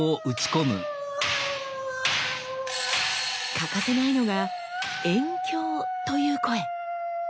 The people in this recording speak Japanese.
欠かせないのが猿叫という声。